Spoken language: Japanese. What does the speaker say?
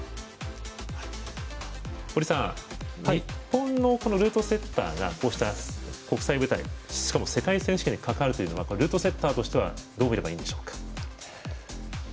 堀さん、日本のルートセッターがこうした国際舞台しかも世界選手権に関わるというのはルートセッターとしてはどう見ればいいんでしょうか？